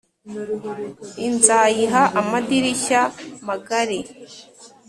I Nzayiha Amadirishya Magari